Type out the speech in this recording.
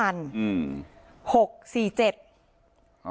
เมื่อที่๔แล้ว